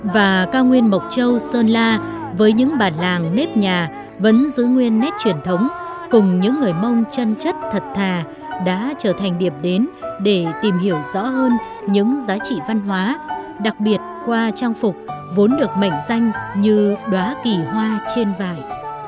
và cao nguyên mộc châu sơn la với những bản làng nếp nhà vẫn giữ nguyên nét truyền thống cùng những người mông chân chất thật thà đã trở thành điểm đến để tìm hiểu rõ hơn những giá trị văn hóa đặc biệt qua trang phục vốn được mệnh danh như đoá kỳ hoa trên vải